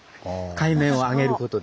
海面を上げることで。